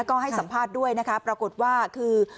ก็ให้สัมภาษณ์ด้วยนะคะปรากฏว่าคือ